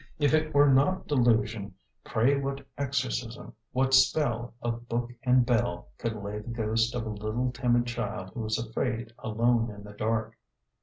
If it were not delusion, pray what exorcism, what spell of book and bell, could lay the ghost of a little timid child who was afraid alone in the dark?